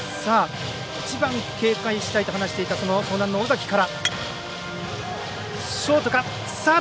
一番警戒したいと話していた、樟南の尾崎から。